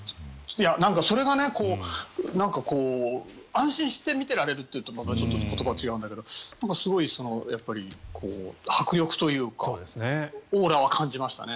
それが安心して見てられると言うとちょっと言葉は違うんだけどすごい迫力というかオーラは感じましたね。